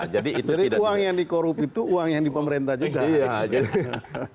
jadi uang yang di korup itu uang yang di pemerintah juga